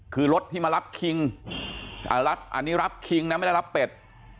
คือรถที่มารับคิงอันนี้รับคิงนะไม่ได้รับเป็ด